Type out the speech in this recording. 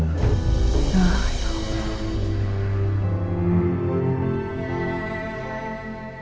gara gara masalah apa